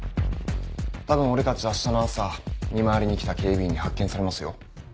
たぶん俺たちあしたの朝見回りに来た警備員に発見されますよ。